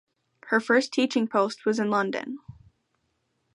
Her first teaching post was in London.